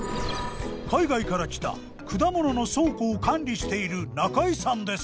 海外から来た果物の倉庫を管理している中井さんです。